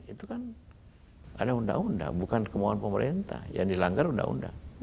itu kan ada undang undang bukan kemauan pemerintah yang dilanggar undang undang